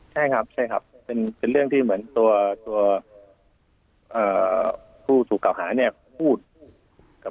ใช่ครับเป็นเรื่องที่เหมือนตัวผู้ถูกเก่าหา